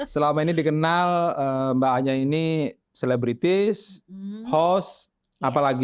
selama ini dikenal mbak anya ini selebritis host apalagi